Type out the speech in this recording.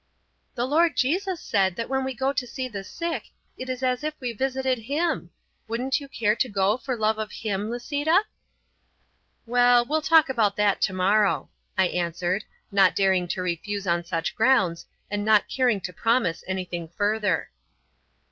"The Lord Jesus said that when we go to see the sick it is as if we visited Him. Wouldn't you care to go for love of Him, Lisita?" "Well, we'll talk about that tomorrow," I answered, not daring to refuse on such grounds, and not caring to promise anything either.